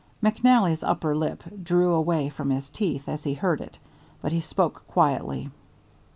McNally's upper lip drew away from his teeth as he heard it, but he spoke quietly.